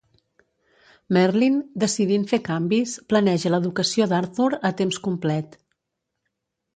Merlin, decidint fer canvis, planeja l"educació d"Arthur a temps complet.